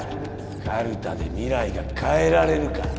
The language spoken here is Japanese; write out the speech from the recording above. カルタで未来が変えられるか。